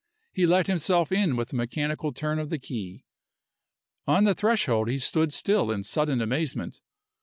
He let himself in with a mechanical turn of the key. On the threshold he stood still in sudden amazement.